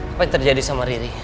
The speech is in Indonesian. apa yang terjadi sama riri